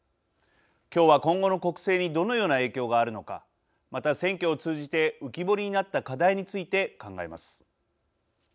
今日は今後の国政にどのような影響があるのかまた選挙を通じて浮き彫りになった課題について考えます。